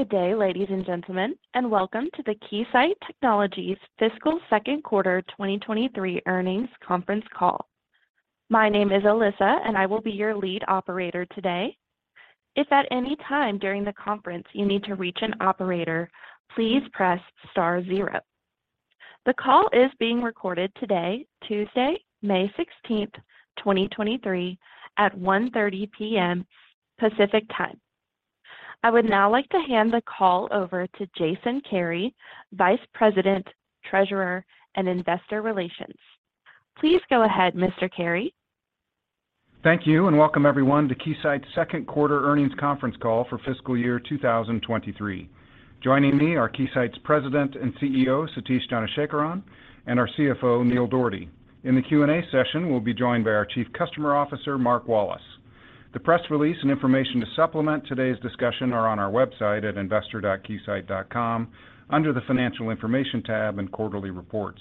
Good day, ladies and gentlemen, and welcome to the Keysight Technologies Fiscal Second Quarter 2023 Earnings Conference Call. My name is Alyssa and I will be your lead operator today. If at any time during the conference you need to reach an operator, please press star zero. The call is being recorded today, Tuesday, May 16th, 2023 at 1:30 P.M. Pacific Time. I would now like to hand the call over to Jason Kary, Vice President, Treasurer and Investor Relations. Please go ahead, Mr. Kary. Thank you. Welcome everyone to Keysight's second quarter earnings conference call for fiscal year 2023. Joining me are Keysight's President and CEO, Satish Dhanasekaran, and our CFO, Neil Dougherty. In the Q&A session, we'll be joined by our Chief Customer Officer, Mark Wallace. The press release and information to supplement today's discussion are on our website at investor.Keysight.com under the Financial Information tab and Quarterly Reports.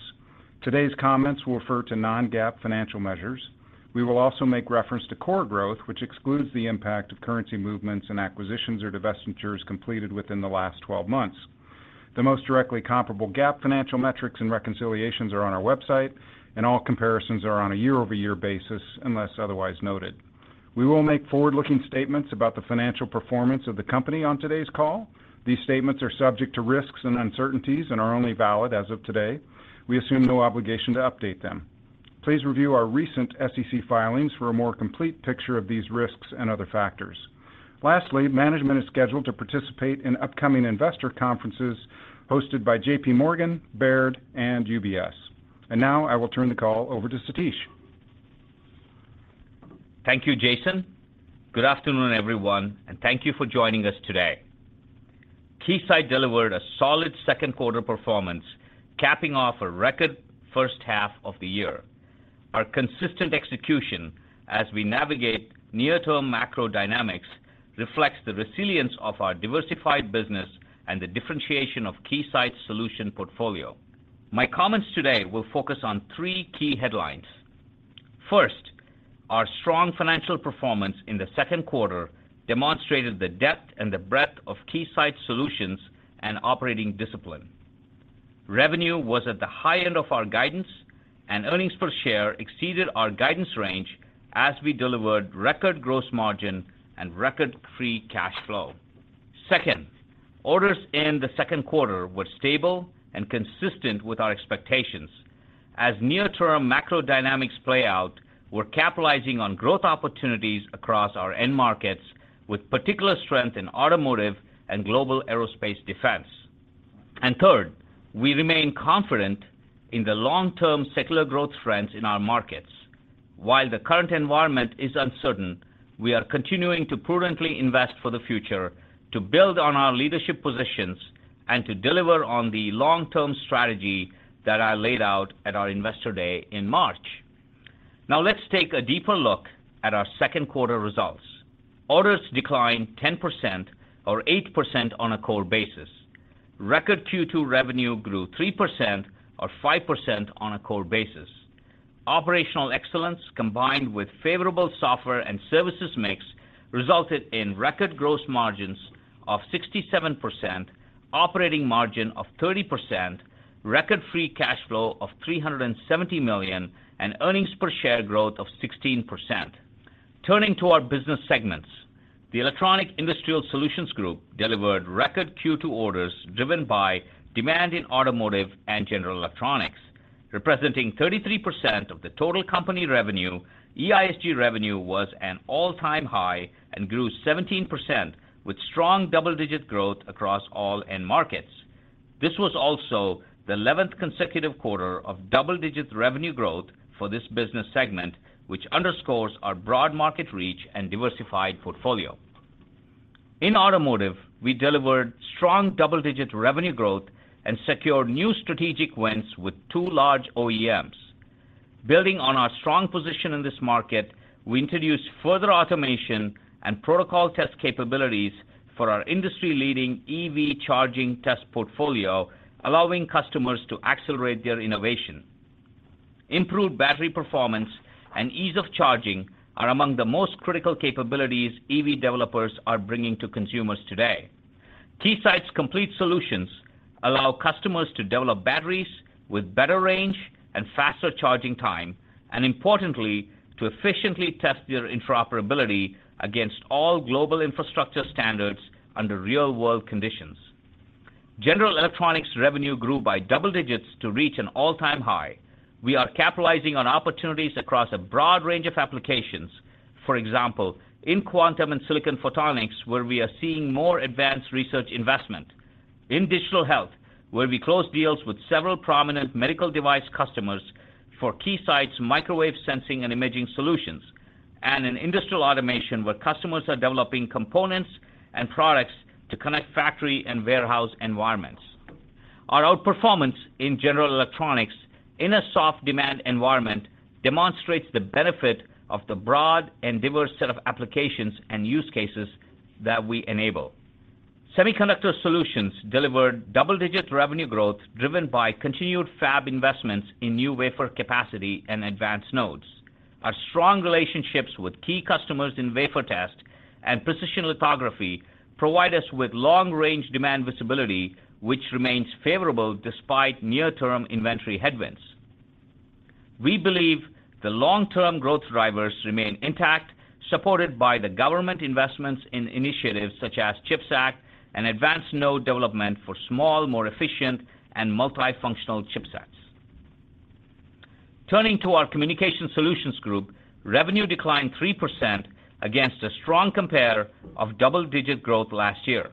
Today's comments will refer to non-GAAP financial measures. We will also make reference to core growth, which excludes the impact of currency movements and acquisitions or divestitures completed within the last 12 months. The most directly comparable GAAP financial metrics and reconciliations are on our website, and all comparisons are on a year-over-year basis unless otherwise noted. We will make forward-looking statements about the financial performance of the company on today's call. These statements are subject to risks and uncertainties and are only valid as of today. We assume no obligation to update them. Please review our recent SEC filings for a more complete picture of these risks and other factors. Lastly, management is scheduled to participate in upcoming investor conferences hosted by J.P. Morgan, Baird, and UBS. Now I will turn the call over to Satish. Thank you, Jason. Good afternoon, everyone. Thank you for joining us today. Keysight delivered a solid second quarter performance, capping off a record first half of the year. Our consistent execution as we navigate near-term macro dynamics reflects the resilience of our diversified business and the differentiation of Keysight's solution portfolio. My comments today will focus on three key headlines. First, our strong financial performance in the second quarter demonstrated the depth and the breadth of Keysight solutions and operating discipline. Revenue was at the high end of our guidance. Earnings per share exceeded our guidance range as we delivered record gross margin and record free cash flow. Second, orders in the second quarter were stable and consistent with our expectations. As near-term macro dynamics play out, we're capitalizing on growth opportunities across our end markets with particular strength in automotive and global aerospace defense. Third, we remain confident in the long-term secular growth trends in our markets. While the current environment is uncertain, we are continuing to prudently invest for the future to build on our leadership positions and to deliver on the long-term strategy that I laid out at our Investor Day in March. Now let's take a deeper look at our second quarter results. Orders declined 10% or 8% on a core basis. Record Q2 revenue grew 3% or 5% on a core basis. Operational excellence, combined with favorable software and services mix, resulted in record gross margins of 67%, operating margin of 30%, record free cash flow of $370 million, and earnings per share growth of 16%. Turning to our business segments, the Electronic Industrial Solutions Group delivered record Q2 orders driven by demand in automotive and general electronics. Representing 33% of the total company revenue, EISG revenue was an all-time high and grew 17% with strong double-digit growth across all end markets. This was also the 11th consecutive quarter of double-digit revenue growth for this business segment, which underscores our broad market reach and diversified portfolio. In automotive, we delivered strong double-digit revenue growth and secured new strategic wins with two large OEMs. Building on our strong position in this market, we introduced further automation and protocol test capabilities for our industry-leading EV charging test portfolio, allowing customers to accelerate their innovation. Improved battery performance and ease of charging are among the most critical capabilities EV developers are bringing to consumers today. Keysight's complete solutions allow customers to develop batteries with better range and faster charging time, and importantly, to efficiently test their interoperability against all global infrastructure standards under real-world conditions. General Electronics revenue grew by double digits to reach an all-time high. We are capitalizing on opportunities across a broad range of applications. For example, in quantum and silicon photonics, where we are seeing more advanced research investment. In digital health, where we closed deals with several prominent medical device customers for Keysight's microwave sensing and imaging solutions. In industrial automation, where customers are developing components and products to connect factory and warehouse environments. Our outperformance in General Electronics in a soft demand environment demonstrates the benefit of the broad and diverse set of applications and use cases that we enable. Semiconductor solutions delivered double-digit revenue growth driven by continued fab investments in new wafer capacity and advanced nodes. Our strong relationships with key customers in wafer test and precision lithography provide us with long-range demand visibility, which remains favorable despite near-term inventory headwinds. We believe the long-term growth drivers remain intact, supported by the government investments in initiatives such as CHIPS Act and advanced node development for small, more efficient, and multifunctional chipsets. Turning to our Communications Solutions Group, revenue declined 3% against a strong compare of double-digit growth last year.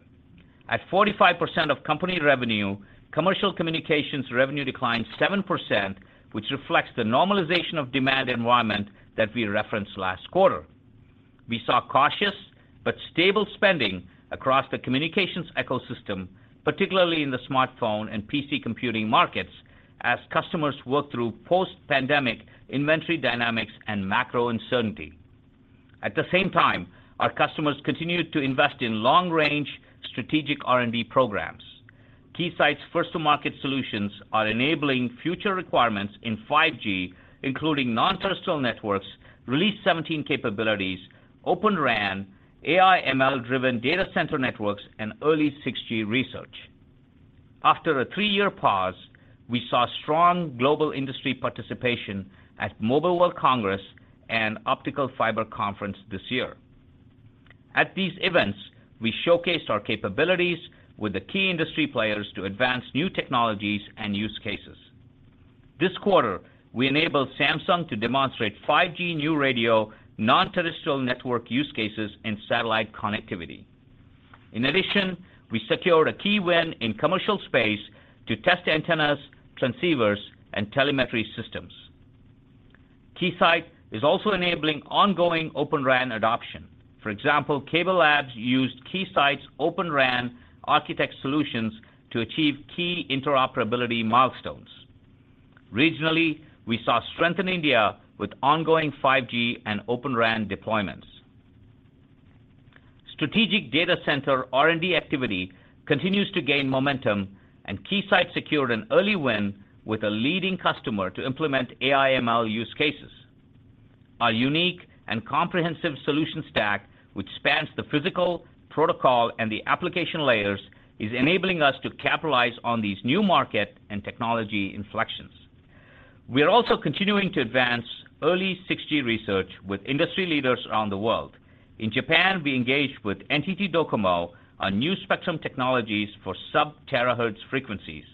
At 45% of company revenue, commercial communications revenue declined 7%, which reflects the normalization of demand environment that we referenced last quarter. We saw cautious but stable spending across the communications ecosystem, particularly in the smartphone and PC computing markets as customers work through post-pandemic inventory dynamics and macro uncertainty. At the same time, our customers continued to invest in long-range strategic R&D programs. Keysight's first to market solutions are enabling future requirements in 5G, including non-terrestrial networks, Release 17 capabilities, Open RAN, AI/ML-driven data center networks, and early 6G research. After a three-year pause, we saw strong global industry participation at Mobile World Congress and Optical Fiber Conference this year. At these events, we showcased our capabilities with the key industry players to advance new technologies and use cases. This quarter, we enabled Samsung to demonstrate 5G New Radio non-terrestrial network use cases in satellite connectivity. We secured a key win in commercial space to test antennas, transceivers, and telemetry systems. Keysight is also enabling ongoing Open RAN adoption. CableLabs used Keysight's Open RAN Architect solutions to achieve key interoperability milestones. Regionally, we saw strength in India with ongoing 5G and Open RAN deployments. Strategic data center R&D activity continues to gain momentum, and Keysight secured an early win with a leading customer to implement AI/ML use cases. Our unique and comprehensive solution stack, which spans the physical protocol and the application layers, is enabling us to capitalize on these new market and technology inflections. We are also continuing to advance early 6G research with industry leaders around the world. In Japan, we engaged with NTT DOCOMO on new spectrum technologies for sub-terahertz frequencies.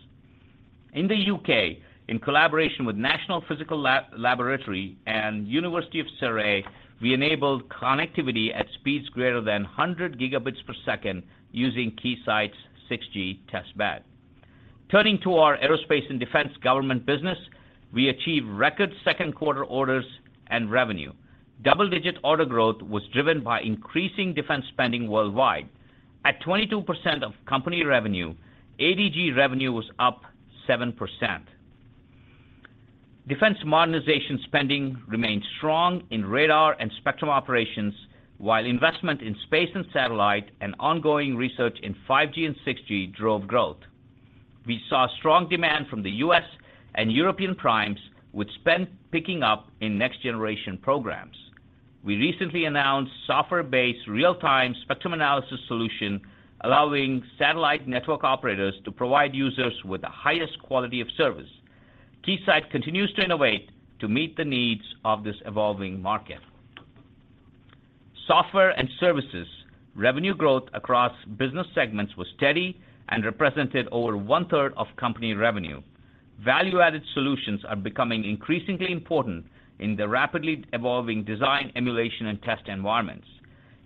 In the U.K., in collaboration with National Physical Laboratory and University of Surrey, we enabled connectivity at speeds greater than 100 Gb per second using Keysight's 6G testbed. Turning to our aerospace and defense government business, we achieved record second quarter orders and revenue. Double-digit order growth was driven by increasing defense spending worldwide. At 22% of company revenue, ADG revenue was up 7%. Defense modernization spending remained strong in radar and spectrum operations, while investment in space and satellite and ongoing research in 5G and 6G drove growth. We saw strong demand from the U.S. and European primes, with spend picking up in next-generation programs. We recently announced software-based real-time spectrum analysis solution, allowing satellite network operators to provide users with the highest quality of service. Keysight continues to innovate to meet the needs of this evolving market. Software and services revenue growth across business segments was steady and represented over one-third of company revenue. Value-added solutions are becoming increasingly important in the rapidly evolving design, emulation, and test environments.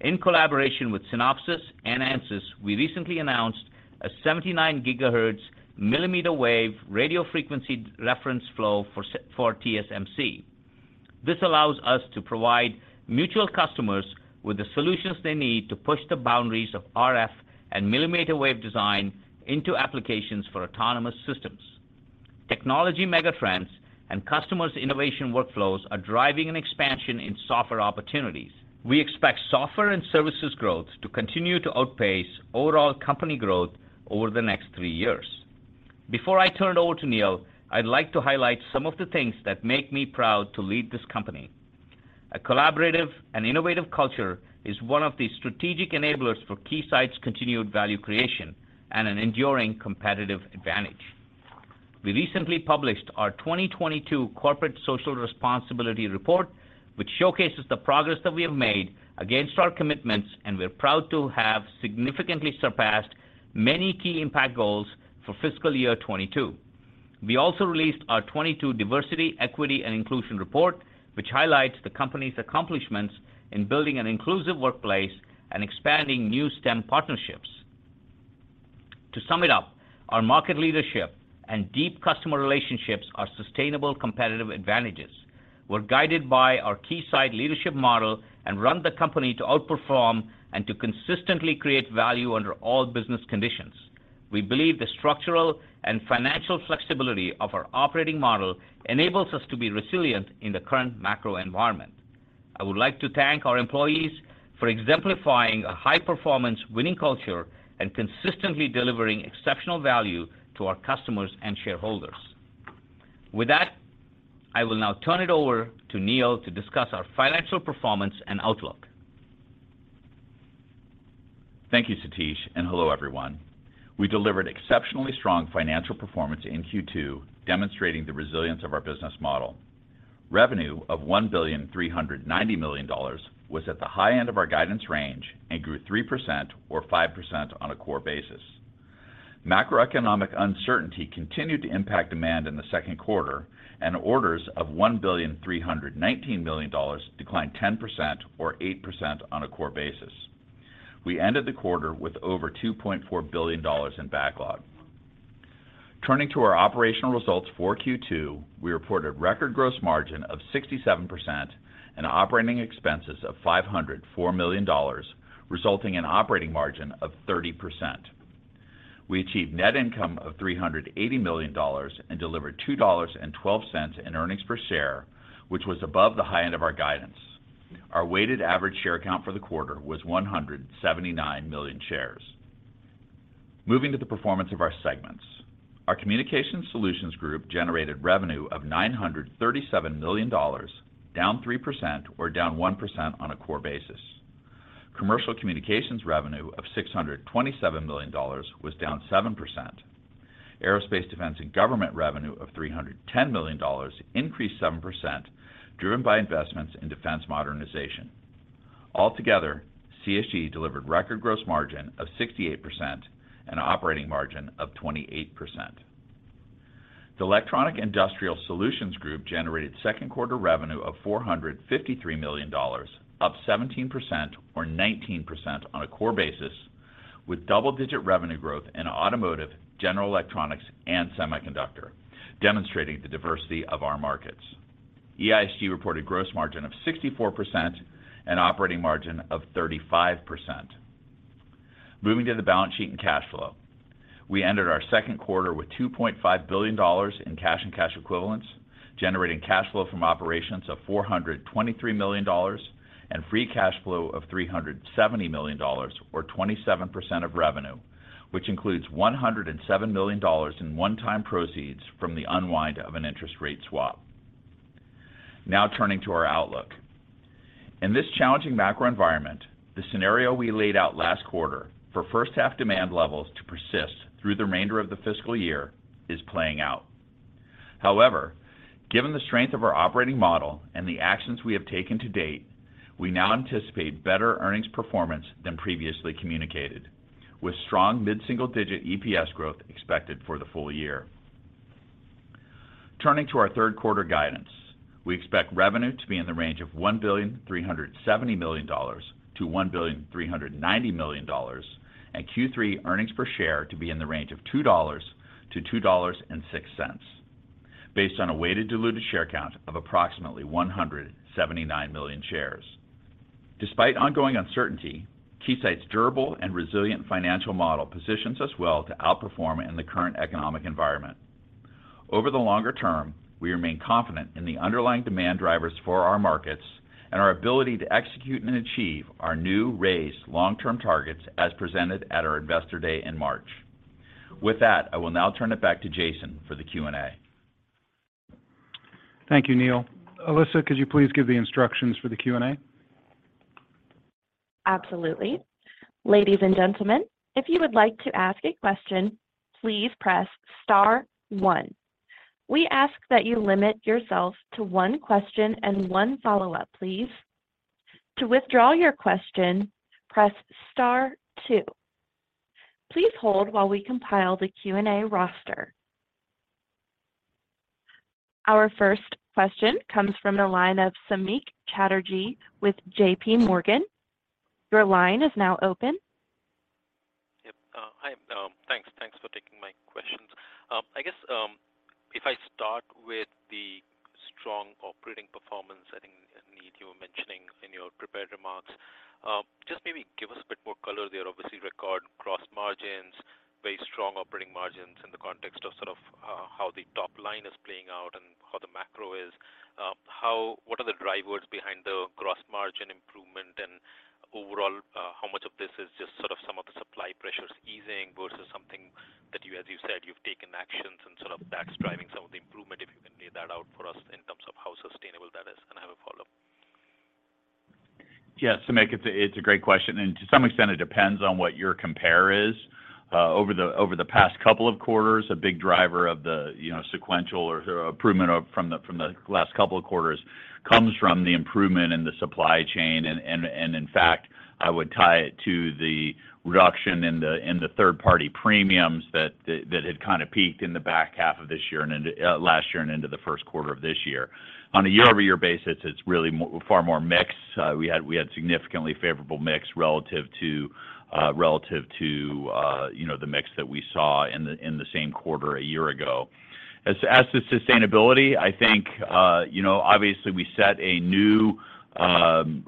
In collaboration with Synopsys and Ansys, we recently announced a 79 GHz millimeter wave radio frequency reference flow for TSMC. This allows us to provide mutual customers with the solutions they need to push the boundaries of RF and millimeter wave design into applications for autonomous systems. Technology megatrends and customers' innovation workflows are driving an expansion in software opportunities. We expect software and services growth to continue to outpace overall company growth over the next three years. Before I turn it over to Neil, I'd like to highlight some of the things that make me proud to lead this company. A collaborative and innovative culture is one of the strategic enablers for Keysight's continued value creation and an enduring competitive advantage. We recently published our 2022 corporate social responsibility report, which showcases the progress that we have made against our commitments, and we're proud to have significantly surpassed many key impact goals for fiscal year 2022. We also released our 2022 diversity, equity, and inclusion report, which highlights the company's accomplishments in building an inclusive workplace and expanding new STEM partnerships. To sum it up, our market leadership and deep customer relationships are sustainable competitive advantages. We're guided by our Keysight Leadership Model and run the company to outperform and to consistently create value under all business conditions. We believe the structural and financial flexibility of our operating model enables us to be resilient in the current macro environment. I would like to thank our employees for exemplifying a high-performance winning culture and consistently delivering exceptional value to our customers and shareholders. With that, I will now turn it over to Neil to discuss our financial performance and outlook. Thank you, Satish. Hello, everyone. We delivered exceptionally strong financial performance in Q2, demonstrating the resilience of our business model. Revenue of $1.39 billion was at the high end of our guidance range and grew 3% or 5% on a core basis. Macroeconomic uncertainty continued to impact demand in the second quarter. Orders of $1.319 billion declined 10% or 8% on a core basis. We ended the quarter with over $2.4 billion in backlog. Turning to our operational results for Q2, we reported record gross margin of 67% and operating expenses of $504 million, resulting in operating margin of 30%. We achieved net income of $380 million and delivered $2.12 in EPS, which was above the high end of our guidance. Our weighted average share count for the quarter was 179 million shares. Moving to the performance of our segments. Our Communications Solutions Group generated revenue of $937 million, down 3% or down 1% on a core basis. Commercial communications revenue of $627 million was down 7%. Aerospace, defense, and government revenue of $310 million increased 7%, driven by investments in defense modernization. Altogether, CSG delivered record gross margin of 68% and operating margin of 28%. The Electronic Industrial Solutions Group generated second quarter revenue of $453 million, up 17% or 19% on a core basis with double-digit revenue growth in automotive, general electronics, and semiconductor, demonstrating the diversity of our markets. EISG reported gross margin of 64% and operating margin of 35%. Moving to the balance sheet and cash flow. We ended our second quarter with $2.5 billion in cash and cash equivalents, generating cash flow from operations of $423 million and free cash flow of $370 million or 27% of revenue, which includes $107 million in one-time proceeds from the unwind of an interest rate swap. Now turning to our outlook. In this challenging macro environment, the scenario we laid out last quarter for first half demand levels to persist through the remainder of the fiscal year is playing out. Given the strength of our operating model and the actions we have taken to date, we now anticipate better earnings performance than previously communicated, with strong mid-single-digit EPS growth expected for the full year. Turning to our third quarter guidance. We expect revenue to be in the range of $1.37 billion to $1.39 billion and Q3 earnings per share to be in the range of $2.00 to $2.06 based on a weighted diluted share count of approximately 179 million shares. Despite ongoing uncertainty, Keysight's durable and resilient financial model positions us well to outperform in the current economic environment. Over the longer term, we remain confident in the underlying demand drivers for our markets and our ability to execute and achieve our new raised long-term targets as presented at our Investor Day in March. With that, I will now turn it back to Jason for the Q&A. Thank you, Neil. Alyssa, could you please give the instructions for the Q&A? Absolutely. Ladies and gentlemen, if you would like to ask a question, please press star one. We ask that you limit yourself to one question and one follow-up, please. To withdraw your question, press star two. Please hold while we compile the Q&A roster. Our first question comes from the line of Samik Chatterjee with J.P. Morgan. Your line is now open. Yep. Hi, thanks. Thanks for taking my questions. I guess, if I start with the strong operating performance I think, Neil, you were mentioning in your prepared remarks, just maybe give us a bit more color there. Obviously, record gross margins, very strong operating margins in the context of sort of, how the top line is playing out and how the macro is. What are the drivers behind the gross margin improvement and overall, how much of this is just sort of some of the supply pressures easing versus something that you, as you said, you've taken actions and sort of that's driving some of the improvement, if you can lay that out for us in terms of how sustainable that is? I have a follow-up. Yeah. Samik, it's a great question. To some extent it depends on what your compare is. Over the past couple of quarters, a big driver of the, you know, sequential or improvement of from the last couple of quarters comes from the improvement in the supply chain and in fact, I would tie it to the reduction in the third-party premiums that had kind of peaked in the back half of this year and into... last year and into the first quarter of this year. On a year-over-year basis, it's really far more mixed. We had significantly favorable mix relative to, relative to, you know, the mix that we saw in the same quarter a year ago. As to sustainability, I think, you know, obviously we set a new,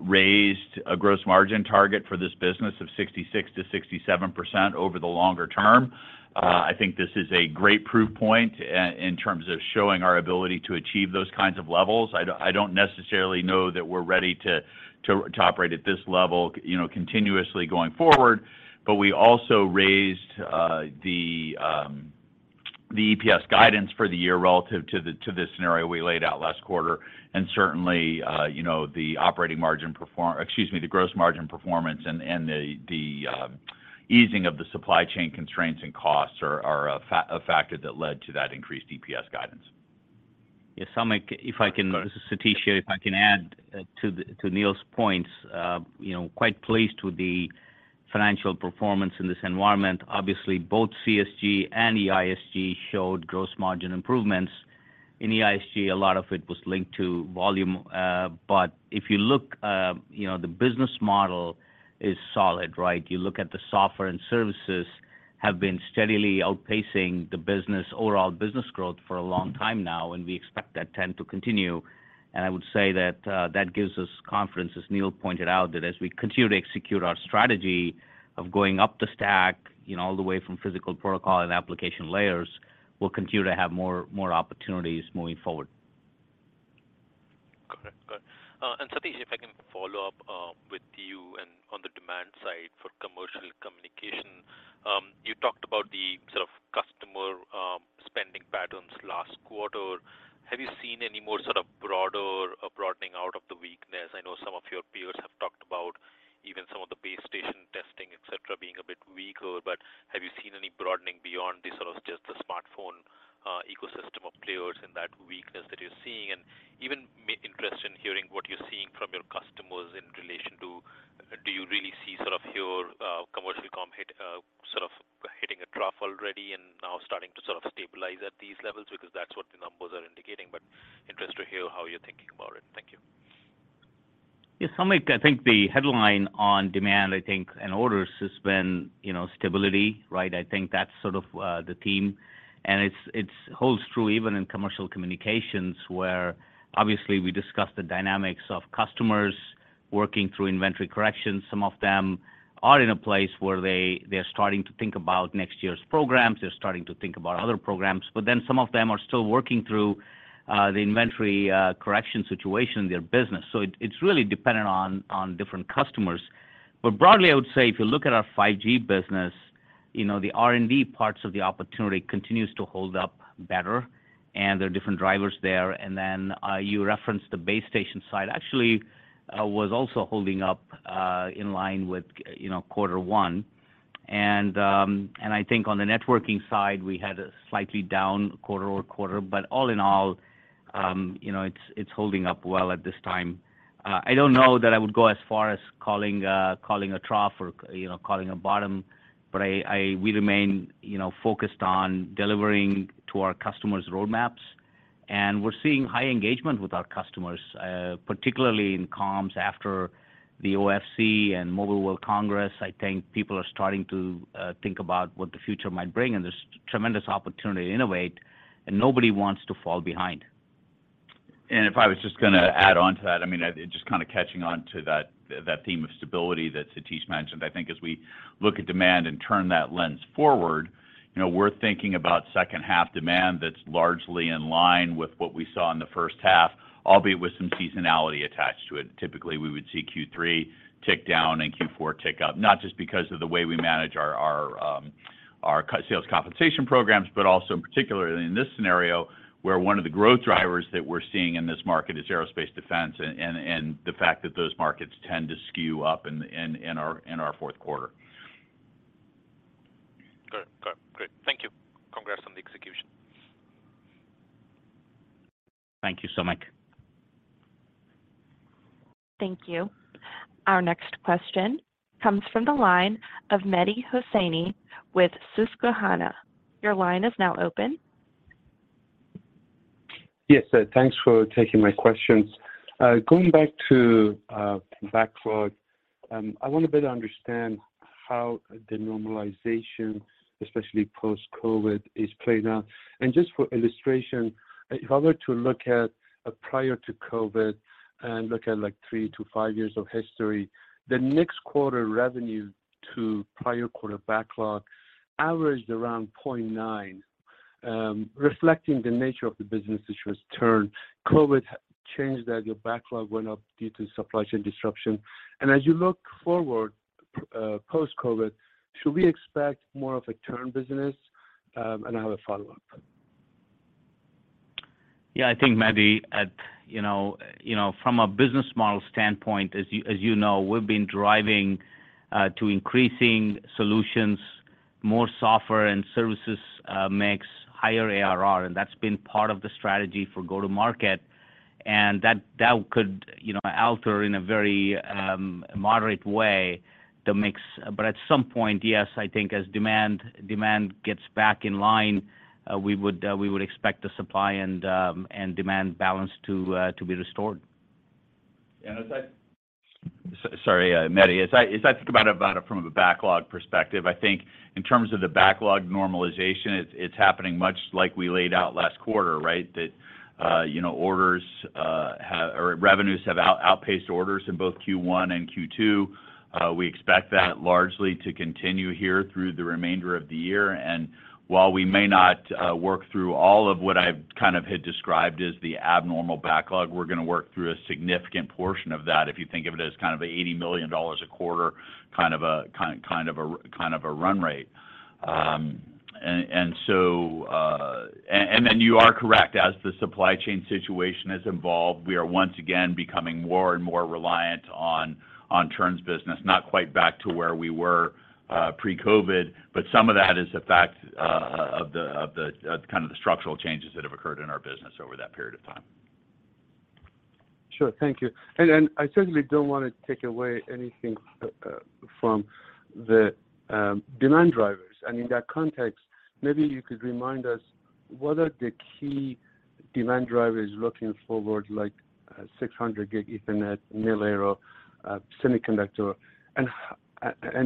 raised a gross margin target for this business of 66% to 67% over the longer term. I think this is a great proof point in terms of showing our ability to achieve those kinds of levels. I don't necessarily know that we're ready to operate at this level, you know, continuously going forward. We also raised the EPS guidance for the year relative to the scenario we laid out last quarter. Certainly, you know, the operating margin performance, excuse me, the gross margin performance and the easing of the supply chain constraints and costs are a factor that led to that increased EPS guidance. Yes. Samik, if I can add to Neil's points. You know, quite pleased with the financial performance in this environment. Obviously, both CSG and EISG showed gross margin improvements. In EISG, a lot of it was linked to volume. If you look, you know, the business model is solid, right? You look at the software and services have been steadily outpacing overall business growth for a long time now, we expect that trend to continue. I would say that that gives us confidence, as Neil pointed out, that as we continue to execute our strategy of going up the stack, you know, all the way from physical protocol and application layers, we'll continue to have more opportunities moving forward. Got it. Got it. Satish, if I can follow up with you and on the demand side for commercial communication. You talked about the sort of customer spending patterns last quarter. Have you seen any more sort of broader broadening out of the weakness? I know some of your peers have talked about even some of the base station testing, et cetera, being a bit weaker. Have you seen any broadening beyond the sort of just the smartphone ecosystem of players and that weakness that you're seeing? Even interested in hearing what you're seeing from your customers in relation to do you really see sort of your commercial comm hit sort of hitting a trough already and now starting to sort of stabilize at these levels? That's what the numbers are indicating, but interested to hear how you're thinking about it. Thank you. Yeah. Samik, I think the headline on demand, and orders has been, you know, stability, right? I think that's sort of the theme. It's holds true even in commercial communications, where obviously we discussed the dynamics of customers working through inventory corrections. Some of them are in a place where they are starting to think about next year's programs. They're starting to think about other programs. Some of them are still working through the inventory correction situation in their business. It's really dependent on different customers. Broadly, I would say if you look at our 5G business, you know, the R&D parts of the opportunity continues to hold up better, and there are different drivers there. You referenced the base station side. Actually, was also holding up, in line with, you know, quarter one. I think on the networking side, we had a slightly down quarter-over-quarter. All in all, you know, it's holding up well at this time. I don't know that I would go as far as calling a trough or, you know, calling a bottom, but we remain, you know, focused on delivering to our customers' roadmaps. We're seeing high engagement with our customers, particularly in comms after the OFC and Mobile World Congress. I think people are starting to think about what the future might bring, and there's tremendous opportunity to innovate and nobody wants to fall behind. If I was just gonna add on to that, I mean, just kind of catching on to that theme of stability that Satish mentioned. I think as we look at demand and turn that lens forward, you know, we're thinking about second half demand that's largely in line with what we saw in the first half, albeit with some seasonality attached to it. Typically, we would see Q3 tick down and Q4 tick up, not just because of the way we manage our sales compensation programs, but also particularly in this scenario, where one of the growth drivers that we're seeing in this market is aerospace defense and the fact that those markets tend to skew up in our fourth quarter. Got it. Great. Thank you. Congrats on the execution. Thank you, Samik. Thank you. Our next question comes from the line of Mehdi Hosseini with Susquehanna. Your line is now open. Yes. Thanks for taking my questions. Going back to backlog, I want to better understand how the normalization, especially post-COVID, is playing out. Just for illustration, if I were to look at a prior to COVID and look at like three to five years of history, the next quarter revenue to prior quarter backlog averaged around 0.9, reflecting the nature of the business, which was turn. COVID changed that. Your backlog went up due to supply chain disruption. As you look forward, post-COVID, should we expect more of a turn business? I have a follow-up. Yeah, I think, Mehdi, at, you know, from a business model standpoint, as you know, we've been driving to increasing solutions, more software and services makes higher ARR, and that's been part of the strategy for go-to-market. That could, you know, alter in a very moderate way the mix. At some point, yes, I think as demand gets back in line, we would expect the supply and demand balance to be restored. Sorry, Mehdi. As I think about it from a backlog perspective, I think in terms of the backlog normalization, it's happening much like we laid out last quarter, right? You know, orders have or revenues have outpaced orders in both Q1 and Q2. We expect that largely to continue here through the remainder of the year. While we may not work through all of what I've kind of had described as the abnormal backlog, we're gonna work through a significant portion of that, if you think of it as kind of a $80 million a quarter, kind of a run rate. You are correct, as the supply chain situation has evolved, we are once again becoming more and more reliant on churns business, not quite back to where we were pre-COVID, some of that is a fact of the kind of the structural changes that have occurred in our business over that period of time. Sure. Thank you. I certainly don't wanna take away anything from the demand drivers. In that context, maybe you could remind us what are the key demand drivers looking forward, like 600 Gb Ethernet, Mil-Aero, semiconductor.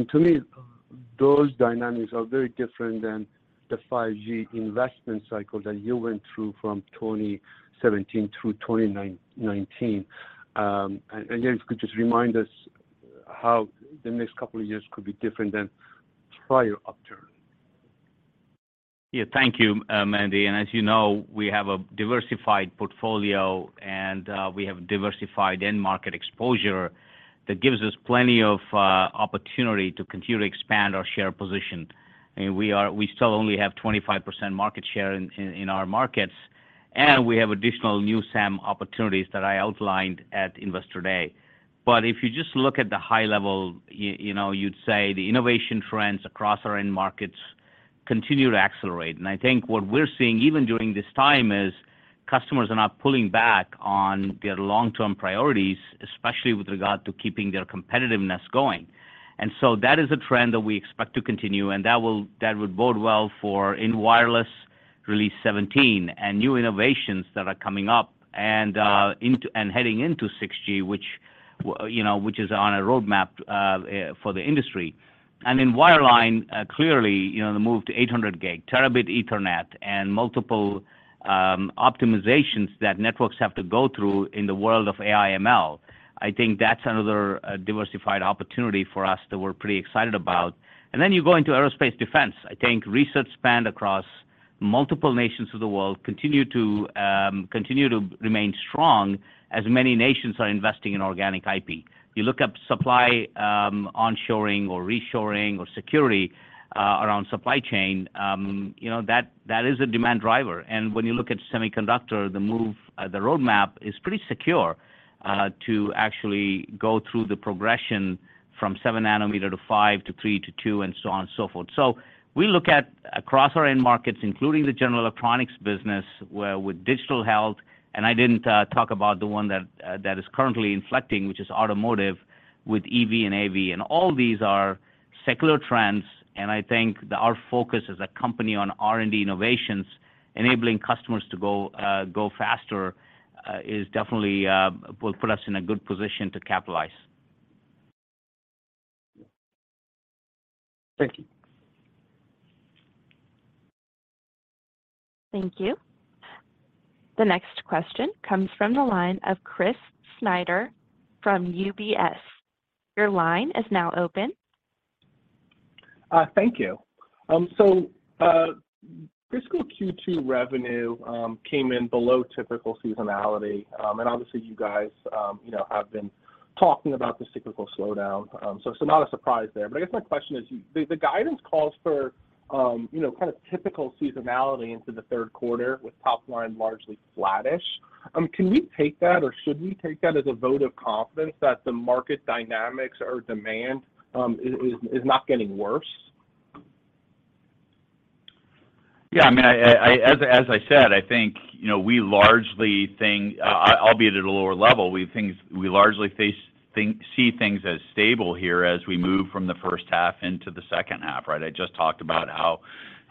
To me, those dynamics are very different than the 5G investment cycle that you went through from 2017 through 2019. Again, if you could just remind us how the next couple of years could be different than prior upturn. Thank you, Mehdi. As you know, we have a diversified portfolio and we have diversified end market exposure that gives us plenty of opportunity to continue to expand our share position. I mean, we still only have 25% market share in our markets, and we have additional new SAM opportunities that I outlined at Investor Day. If you just look at the high level, you know, you'd say the innovation trends across our end markets continue to accelerate. I think what we're seeing even during this time is customers are not pulling back on their long-term priorities, especially with regard to keeping their competitiveness going. That is a trend that we expect to continue, that would bode well for in wireless Release 17 and new innovations that are coming up and heading into 6G, which you know, which is on a roadmap for the industry. In wireline, clearly, you know, the move to 800G, Terabit Ethernet, and multiple optimizations that networks have to go through in the world of AI/ML, I think that's another diversified opportunity for us that we're pretty excited about. You go into aerospace defense. I think research spend across multiple nations of the world continue to remain strong as many nations are investing in organic IP. You look up supply onshoring or reshoring or security around supply chain, you know, that is a demand driver. When you look at semiconductor, the move, the roadmap is pretty secure, to actually go through the progression from 7 nm to 5 nm to 3 nm to 2 nm and so on and so forth. We look at across our end markets, including the general electronics business, where with digital health, and I didn't talk about the one that is currently inflecting, which is automotive with EV and AV, and all these are secular trends, and I think that our focus as a company on R&D innovations enabling customers to go faster, is definitely, will put us in a good position to capitalize. Thank you. Thank you. The next question comes from the line of Chris Snyder from UBS. Your line is now open. Thank you. Fiscal Q2 revenue came in below typical seasonality, and obviously you guys, you know, have been talking about this typical slowdown, not a surprise there. I guess my question is the guidance calls for, you know, kind of typical seasonality into the third quarter with top line largely flattish. Can we take that or should we take that as a vote of confidence that the market dynamics or demand is not getting worse? Yeah. I mean, as I said, I think, you know, we largely, albeit at a lower level, we largely see things as stable here as we move from the first half into the second half, right? I just talked about how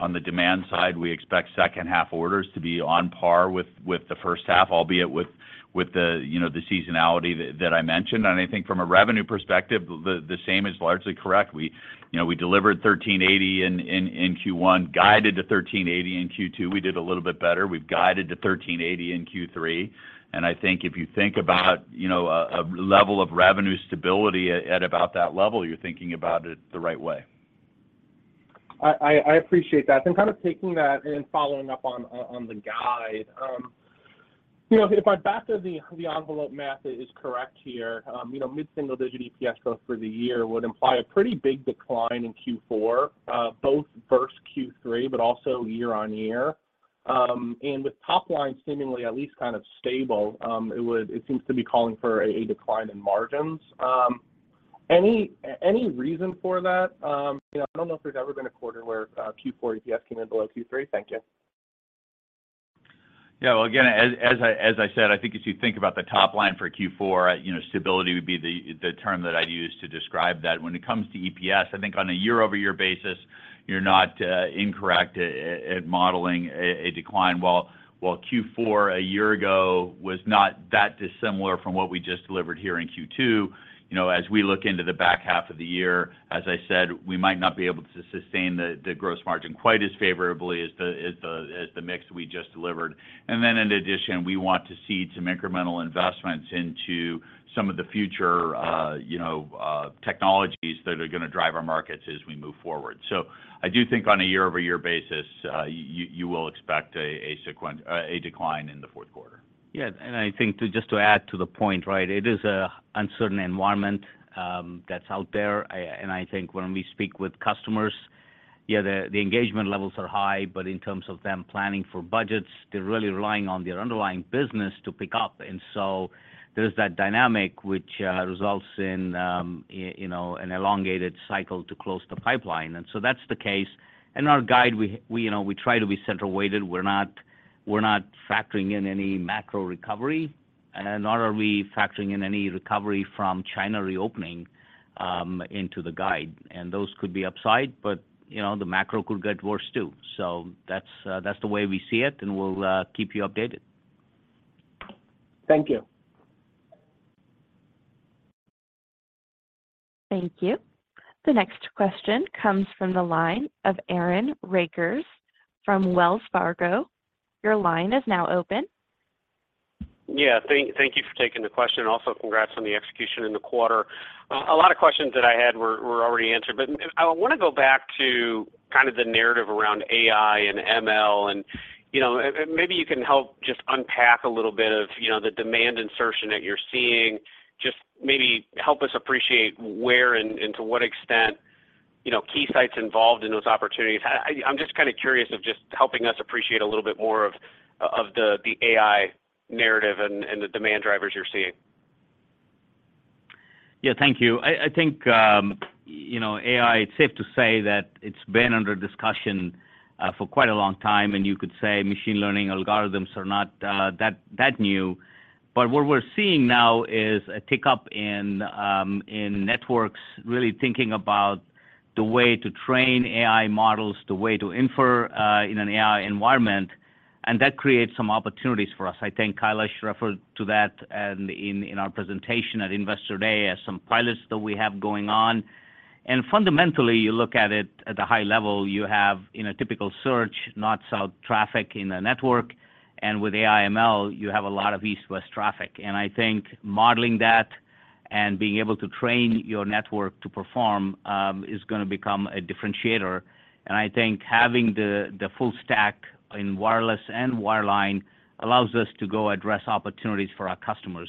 on the demand side, we expect second half orders to be on par with the first half, albeit with the, you know, the seasonality that I mentioned. I think from a revenue perspective, the same is largely correct. We, you know, we delivered $1,380 in Q1, guided to $1,380 in Q2. We did a little bit better. We've guided to $1,380 in Q3. I think if you think about, you know, a level of revenue stability at about that level, you're thinking about it the right way. I appreciate that. Kind of taking that and following up on the guide, you know, if my back of the envelope math is correct here, you know, mid-single-digit EPS growth for the year would imply a pretty big decline in Q4, both versus Q3, but also year-on-year. With top line seemingly at least kind of stable, it seems to be calling for a decline in margins. Any reason for that? You know, I don't know if there's ever been a quarter where Q4 EPS came in below Q3. Thank you. Well, again, as I said, I think as you think about the top line for Q4, you know, stability would be the term that I'd use to describe that. When it comes to EPS, I think on a year-over-year basis, you're not incorrect at modeling a decline. While Q4 a year ago was not that dissimilar from what we just delivered here in Q2, you know, as we look into the back half of the year, as I said, we might not be able to sustain the gross margin quite as favorably as the mix we just delivered. In addition, we want to see some incremental investments into some of the future, you know, technologies that are gonna drive our markets as we move forward. I do think on a year-over-year basis, you will expect a decline in the fourth quarter. Yeah. I think to, just to add to the point, right, it is a uncertain environment, that's out there. I think when we speak with customers, yeah, the engagement levels are high, but in terms of them planning for budgets, they're really relying on their underlying business to pick up. So there's that dynamic which results in, you know, an elongated cycle to close the pipeline. That's the case. In our guide, we, you know, we try to be center weighted. We're not factoring in any macro recovery, and nor are we factoring in any recovery from China reopening, into the guide. Those could be upside, but, you know, the macro could get worse too. So that's the way we see it, and we'll keep you updated. Thank you. Thank you. The next question comes from the line of Aaron Rakers from Wells Fargo. Your line is now open. Thank you for taking the question. Also, congrats on the execution in the quarter. A lot of questions that I had were already answered, but I wanna go back to kind of the narrative around AI and ML and, you know, and maybe you can help just unpack a little bit of, you know, the demand insertion that you're seeing. Just maybe help us appreciate where and to what extent, you know, Keysight's involved in those opportunities. I'm just kinda curious of just helping us appreciate a little bit more of the AI narrative and the demand drivers you're seeing. Yeah. Thank you. I think, you know, AI, it's safe to say that it's been under discussion for quite a long time, and you could say machine learning algorithms are not that new. What we're seeing now is a tick up in networks really thinking about the way to train AI models, the way to infer in an AI environment, and that creates some opportunities for us. I think Kailash referred to that in our presentation at Investor Day as some pilots that we have going on. Fundamentally, you look at it at the high level, you have in a typical search, north-south traffic in the network, and with AI/ML, you have a lot of east-west traffic. I think modeling that and being able to train your network to perform is gonna become a differentiator. I think having the full stack in wireless and wireline allows us to go address opportunities for our customers.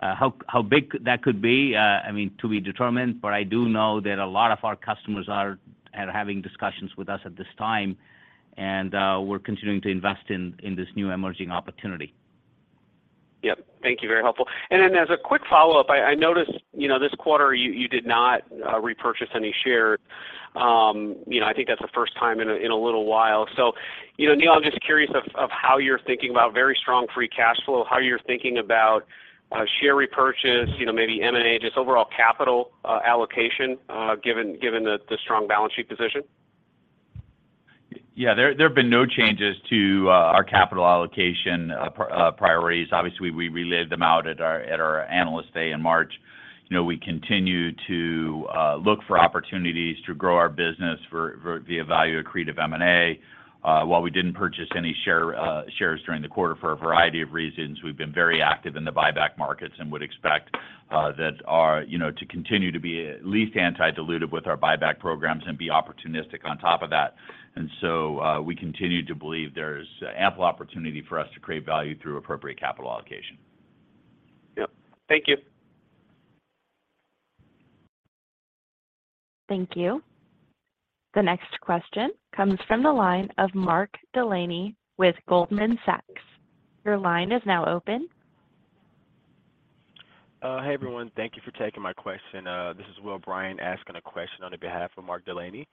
How big that could be, I mean, to be determined, but I do know that a lot of our customers are having discussions with us at this time, and we're continuing to invest in this new emerging opportunity. Yep. Thank you. Very helpful. As a quick follow-up, I noticed, you know, this quarter you did not repurchase any shares. You know, I think that's the first time in a little while. You know, Neil, I'm just curious how you're thinking about very strong free cash flow, how you're thinking about share repurchase, you know, maybe M&A, just overall capital allocation, given the strong balance sheet position. Yeah. There have been no changes to our capital allocation priorities. Obviously, we relaid them out at our Analyst Day in March. You know, we continue to look for opportunities to grow our business for the value accretive M&A. While we didn't purchase any shares during the quarter for a variety of reasons, we've been very active in the buyback markets and would expect that our, you know, to continue to be at least anti-dilutive with our buyback programs and be opportunistic on top of that. We continue to believe there's ample opportunity for us to create value through appropriate capital allocation. Yep. Thank you. Thank you. The next question comes from the line of Mark Delaney with Goldman Sachs. Your line is now open. Hey, everyone. Thank you for taking my question. This is William Bryant asking a question on the behalf of Mark Delaney.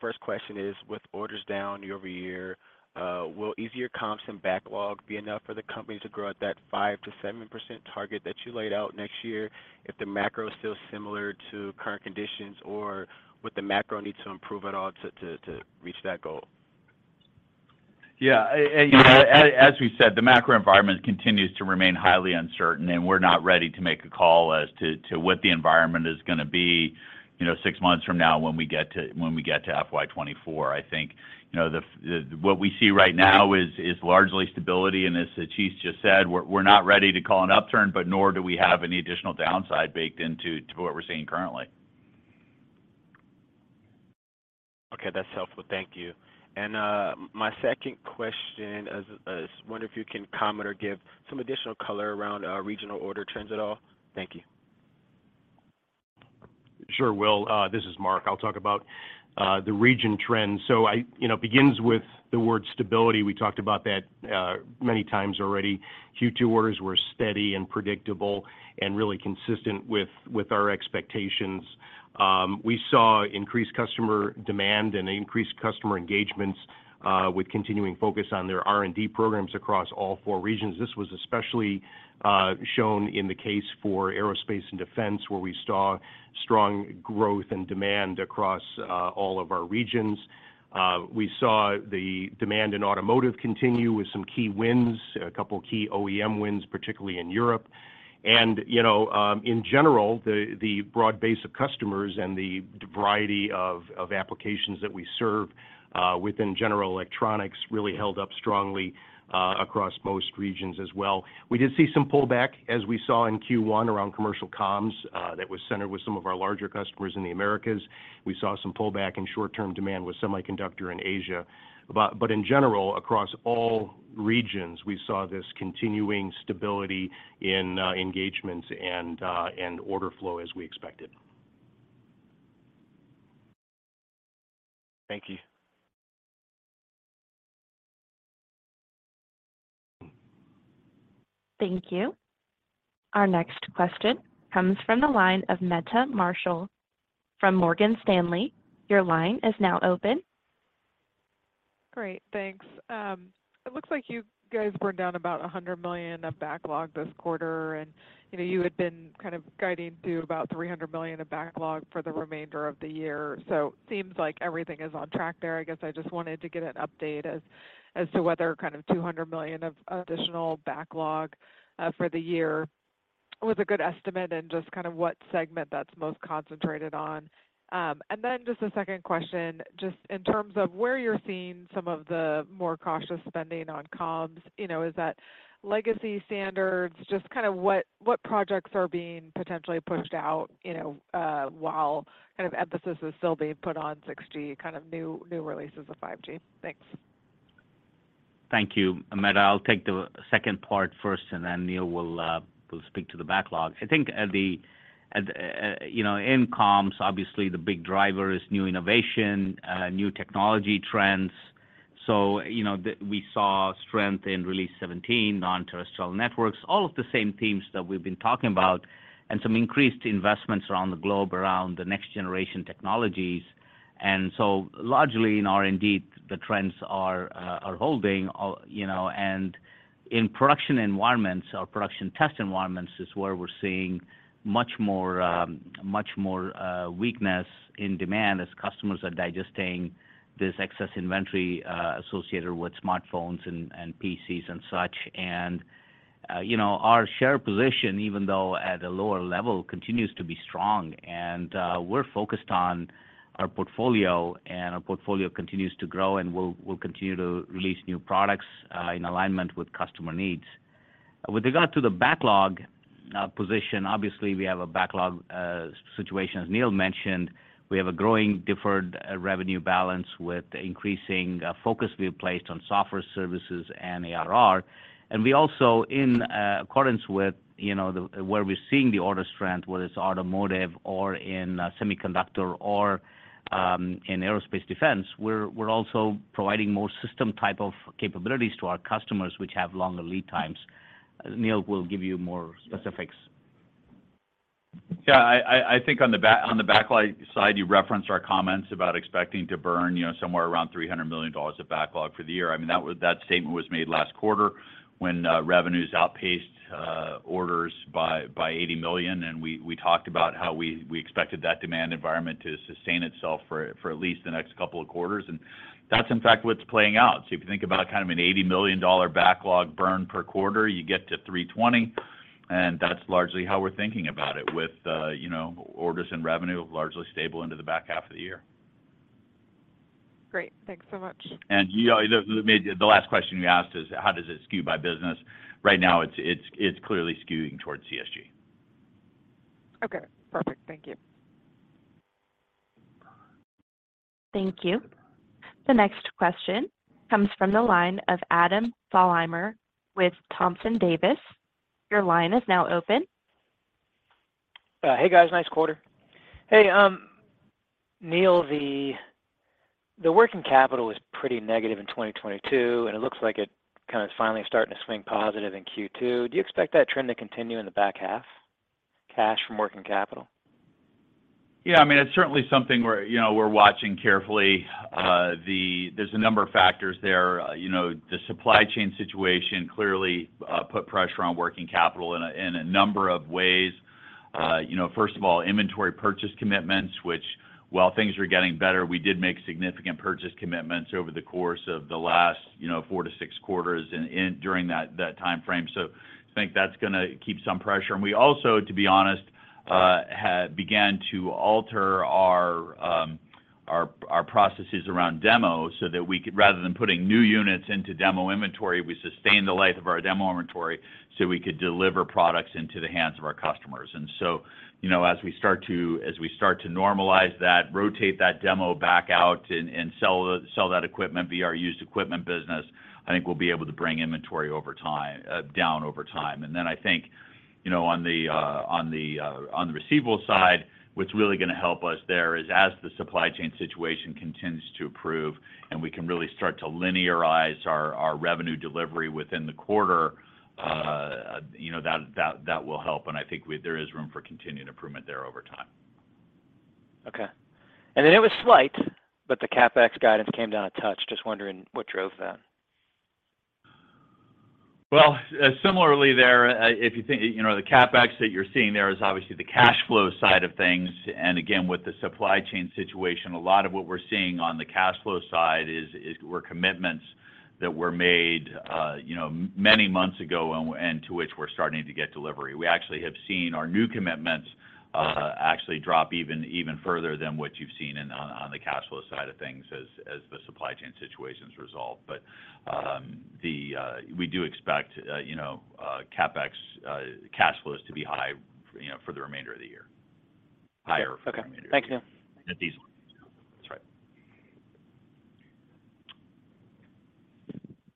First question is, with orders down year-over-year, will easier comps and backlog be enough for the company to grow at that 5% to 7% target that you laid out next year if the macro is still similar to current conditions, or would the macro need to improve at all to reach that goal? Yeah. you know, as we said, the macro environment continues to remain highly uncertain, and we're not ready to make a call as to what the environment is gonna be, you know, six months from now when we get to FY 2024. I think, you know, what we see right now is largely stability. As Satish just said, we're not ready to call an upturn, but nor do we have any additional downside baked into what we're seeing currently. Okay. That's helpful. Thank you. My second question is, wonder if you can comment or give some additional color around regional order trends at all? Thank you. Sure, Will. This is Mark. I'll talk about the region trends. You know, it begins with the word stability. We talked about that many times already. Q2 orders were steady and predictable and really consistent with our expectations. We saw increased customer demand and increased customer engagements, with continuing focus on their R&D programs across all four regions. This was especially shown in the case for aerospace and defense, where we saw strong growth and demand across all of our regions. We saw the demand in automotive continue with some key wins, a couple of key OEM wins, particularly in Europe. You know, in general, the broad base of customers and the variety of applications that we serve, within general electronics really held up strongly across most regions as well. We did see some pullback, as we saw in Q1, around commercial comms, that was centered with some of our larger customers in the Americas. We saw some pullback in short-term demand with semiconductor in Asia. In general, across all regions, we saw this continuing stability in engagement and order flow as we expected. Thank you. Thank you. Our next question comes from the line of Meta Marshall from Morgan Stanley. Your line is now open. Great. Thanks. It looks like you guys burned down about $100 million of backlog this quarter. You know, you had been kind of guiding to about $300 million of backlog for the remainder of the year. Seems like everything is on track there. I guess I just wanted to get an update as to whether kind of $200 million of additional backlog for the year was a good estimate and just kind of what segment that's most concentrated on. Then just a second question, just in terms of where you're seeing some of the more cautious spending on comms, you know, is that legacy standards, just kind of what projects are being potentially pushed out, you know, while kind of emphasis is still being put on 6G, kind of new releases of 5G? Thanks. Thank you. Mehta, I'll take the second part first, then Neil will speak to the backlog. I think, you know, in comms, obviously the big driver is new innovation, new technology trends. You know, we saw strength in Release 17, non-terrestrial networks, all of the same themes that we've been talking about, and some increased investments around the globe around the next generation technologies. Largely in R&D, the trends are holding, you know, and in production environments or production test environments is where we're seeing much more, much more weakness in demand as customers are digesting this excess inventory associated with smartphones and PCs and such. You know, our share position, even though at a lower level, continues to be strong. We're focused on our portfolio, and our portfolio continues to grow, and we'll continue to release new products in alignment with customer needs. With regard to the backlog position, obviously, we have a backlog situation, as Neil mentioned. We have a growing deferred revenue balance with increasing focus we have placed on software services and ARR. We also, in accordance with, you know, the, where we're seeing the order strength, whether it's automotive or in semiconductor or in aerospace defense, we're also providing more system type of capabilities to our customers, which have longer lead times. Neil will give you more specifics. I think on the backlog side, you referenced our comments about expecting to burn, you know, somewhere around $300 million of backlog for the year. I mean, that was, that statement was made last quarter when revenues outpaced orders by $80 million, we talked about how we expected that demand environment to sustain itself for at least the next couple of quarters. That's in fact what's playing out. If you think about kind of an $80 million backlog burn per quarter, you get to $320 million, and that's largely how we're thinking about it with, you know, orders and revenue largely stable into the back half of the year. Great. Thanks so much. The last question you asked is how does it skew by business? Right now, it's clearly skewing towards CSG. Okay, perfect. Thank you. Thank you. The next question comes from the line of Adam Thalhimer with Thompson Davis & Co. Your line is now open. Hey, guys. Nice quarter. Hey, Neil, the working capital was pretty negative in 2022, and it looks like it kind of finally starting to swing positive in Q2. Do you expect that trend to continue in the back half, cash from working capital? I mean, it's certainly something we're, you know, we're watching carefully. There's a number of factors there. You know, the supply chain situation clearly put pressure on working capital in a number of ways. You know, first of all, inventory purchase commitments, which while things are getting better, we did make significant purchase commitments over the course of the last, you know, four to six quarters in that time frame. I think that's gonna keep some pressure. We also, to be honest, had began to alter our processes around demo so that we could rather than putting new units into demo inventory, we sustain the life of our demo inventory, so we could deliver products into the hands of our customers. You know, as we start to normalize that, rotate that demo back out and sell that equipment via our used equipment business, I think we'll be able to bring inventory over time, down over time. Then I think, you know, on the, on the, on the receivable side, what's really gonna help us there is as the supply chain situation continues to improve and we can really start to linearize our revenue delivery within the quarter, you know, that will help. I think there is room for continued improvement there over time. Okay. Then it was slight, but the CapEx guidance came down a touch. Just wondering what drove that. Well, similarly there, if you think, you know, the CapEx that you're seeing there is obviously the cash flow side of things. Again, with the supply chain situation, a lot of what we're seeing on the cash flow side is were commitments that were made, you know, many months ago to which we're starting to get delivery. We actually have seen our new commitments actually drop even further than what you've seen in on the cash flow side of things as the supply chain situation's resolved. We do expect, you know, CapEx cash flows to be high, you know, for the remainder of the year. Okay. Higher for the remainder of the year. Okay. Thank you. At these levels. That's right.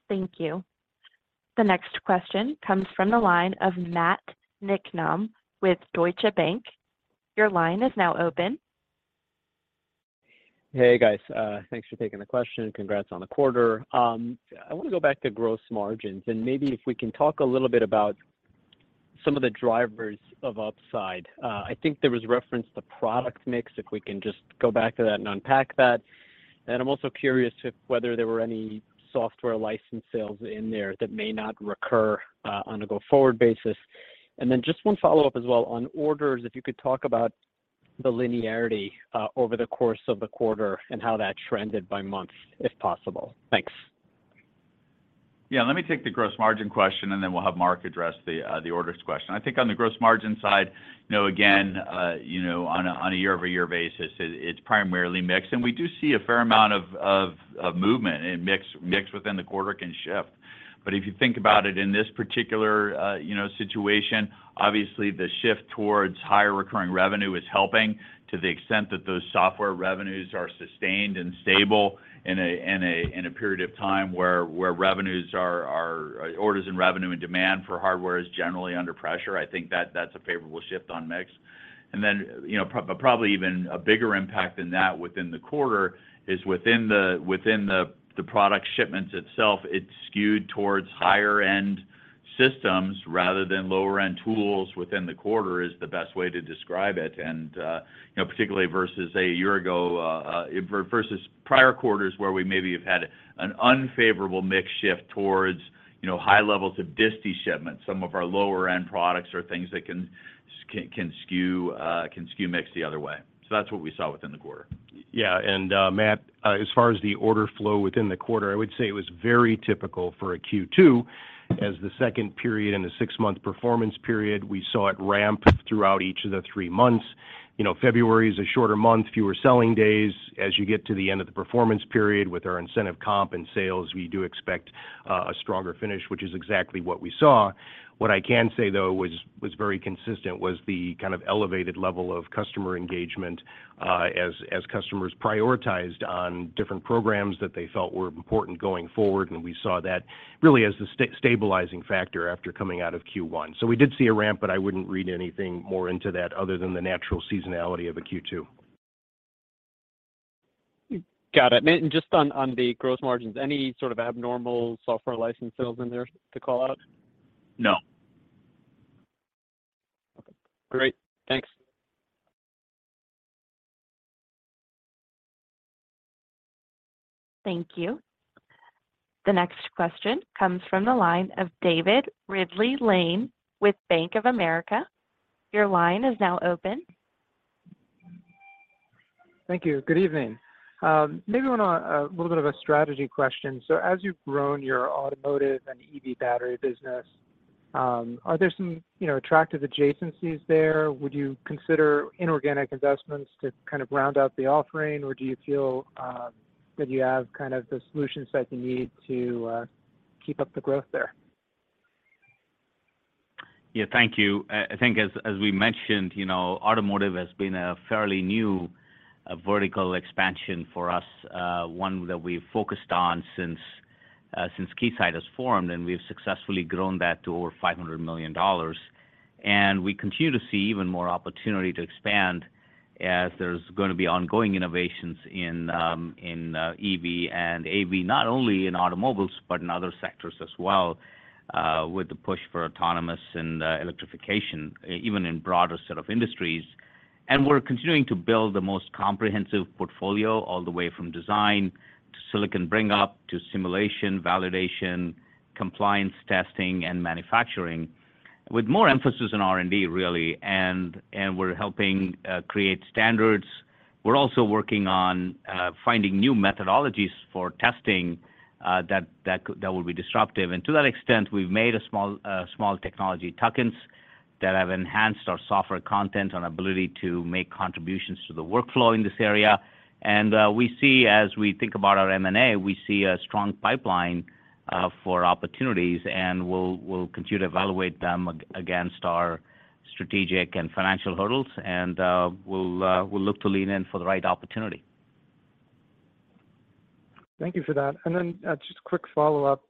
Thank you. The next question comes from the line of Matthew Niknam with Deutsche Bank. Your line is now open. Hey, guys. Thanks for taking the question. Congrats on the quarter. I wanna go back to gross margins, and maybe if we can talk a little bit about some of the drivers of upside. I think there was reference to product mix, if we can just go back to that and unpack that. I'm also curious to whether there were any software license sales in there that may not recur on a go-forward basis. Then just one follow-up as well on orders, if you could talk about the linearity over the course of the quarter and how that trended by month, if possible. Thanks. Yeah, let me take the gross margin question, and then we'll have Mark address the orders question. I think on the gross margin side, you know, again, you know, on a year-over-year basis, it's primarily mix. We do see a fair amount of movement, and mix within the quarter can shift. If you think about it, in this particular, you know, situation, obviously the shift towards higher recurring revenue is helping to the extent that those software revenues are sustained and stable in a period of time where Orders in revenue and demand for hardware is generally under pressure. I think that's a favorable shift on mix. You know, probably even a bigger impact than that within the quarter is within the product shipments itself, it's skewed towards higher end systems rather than lower end tools within the quarter is the best way to describe it. You know, particularly versus, say, a year ago, versus prior quarters where we maybe have had an unfavorable mix shift towards, you know, high levels of disti shipments. Some of our lower end products are things that can skew mix the other way. That's what we saw within the quarter. Yeah. Matt, as far as the order flow within the quarter, I would say it was very typical for a Q2. As the second period in the six-month performance period, we saw it ramp throughout each of the three months. You know, February is a shorter month, fewer selling days. As you get to the end of the performance period with our incentive comp and sales, we do expect a stronger finish, which is exactly what we saw. What I can say though was very consistent was the kind of elevated level of customer engagement, as customers prioritized on different programs that they felt were important going forward, and we saw that really as the stabilizing factor after coming out of Q1. We did see a ramp, but I wouldn't read anything more into that other than the natural seasonality of a Q2. Got it. Mark, just on the gross margins, any sort of abnormal software license sales in there to call out? No. Okay. Great. Thanks. Thank you. The next question comes from the line of David Ridley-Lane with Bank of America. Your line is now open. Thank you. Good evening. maybe went on a little bit of a strategy question. As you've grown your automotive and EV battery business, are there some, you know, attractive adjacencies there? Would you consider inorganic investments to kind of round out the offering, or do you feel that you have kind of the solution set you need to keep up the growth there? Yeah. Thank you. I think as we mentioned, you know, automotive has been a fairly new vertical expansion for us, one that we've focused on since Keysight has formed, and we've successfully grown that to over $500 million. We continue to see even more opportunity to expand as there's gonna be ongoing innovations in EV and AV, not only in automobiles, but in other sectors as well, with the push for autonomous and electrification, even in broader set of industries. We're continuing to build the most comprehensive portfolio all the way from design to silicon bring-up to simulation, validation, compliance testing, and manufacturing, with more emphasis on R&D, really. We're helping create standards. We're also working on finding new methodologies for testing that will be disruptive. To that extent, we've made a small technology tuck-ins that have enhanced our software content and ability to make contributions to the workflow in this area. We see as we think about our M&A, we see a strong pipeline for opportunities, and we'll continue to evaluate them against our strategic and financial hurdles, and we'll look to lean in for the right opportunity. Thank you for that. Just quick follow-up.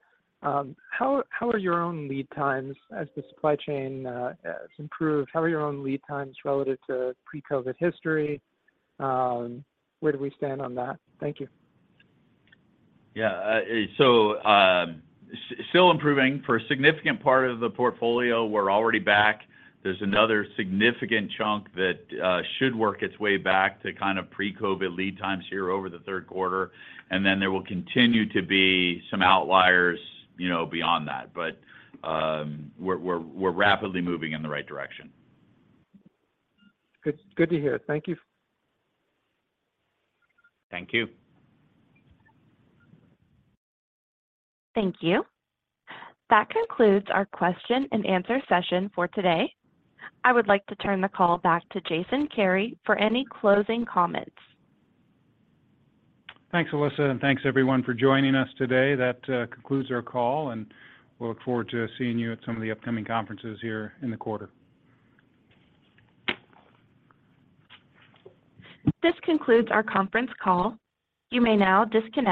How are your own lead times as the supply chain has improved? How are your own lead times relative to pre-COVID history? Where do we stand on that? Thank you. Yeah. still improving. For a significant part of the portfolio, we're already back. There's another significant chunk that should work its way back to kind of pre-COVID lead times here over the third quarter. There will continue to be some outliers, you know, beyond that. We're rapidly moving in the right direction. Good, good to hear. Thank you. Thank you. Thank you. That concludes our question and answer session for today. I would like to turn the call back to Jason Kary for any closing comments. Thanks, Alyssa, and thanks everyone for joining us today. That concludes our call, and we look forward to seeing you at some of the upcoming conferences here in the quarter. This concludes our conference call. You may now disconnect.